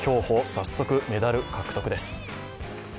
早速、メダル獲得です。